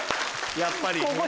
やっぱり！